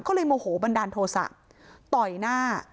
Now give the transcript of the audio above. ก็เลยโมโหบันดาลโทษะต่อยหน้า